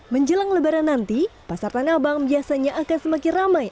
menjelang lebaran nanti pasar tanah abang biasanya akan semakin ramai